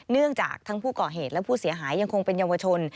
เนื่องจากทั้งผู้ก่อเหตุและผู้เสียหายยังคงเป็นเยาวชน